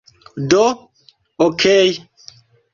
Do... okej